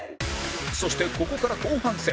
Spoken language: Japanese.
そしてここから後半戦